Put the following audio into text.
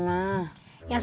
yang seperti buat motongan